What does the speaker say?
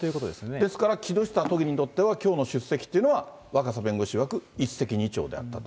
ですから、木下都議にとってはきょうの出席というのは若狭弁護士いわく、一石二鳥であったと。